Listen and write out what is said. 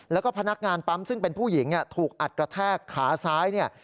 แล้วก็พนักงานปั๊มซึ่งเป็นผู้หญิงถูกอัดกระแทกขาซ้ายเนี่ย